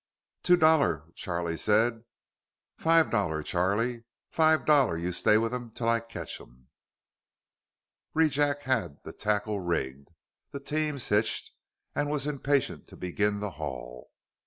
"Two dollar," Charlie said. "Five dollar, Charlie. Five dollar, you stay with 'em till I catch 'em." Rejack had the tackle rigged, the teams hitched, and was impatient to begin the haul.